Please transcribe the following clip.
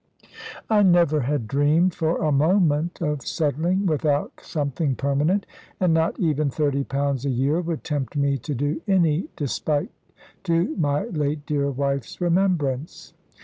I never had dreamed for a moment of settling without something permanent; and not even £30 a year would tempt me to do any despite to my late dear wife's remembrance.